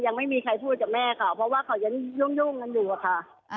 ยังไม่มีใครพูดกับแม่ค่ะเพราะว่าเขายังโย่งกันอยู่อะค่ะ